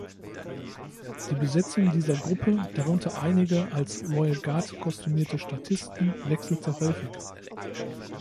Die Besetzung dieser Gruppe, darunter einige als „Royal Guard“ kostümierte Statisten, wechselte häufig.